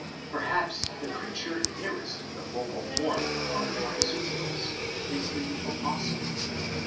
Perhaps the creature nearest the focal form among marsupials is the opossum (Fig.